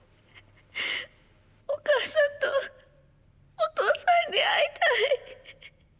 お母さんとお父さんに会いたい。